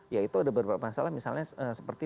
ya itu ada beberapa masalah misalnya seperti